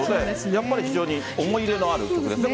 やっぱり非常に思い入れのある曲ですね。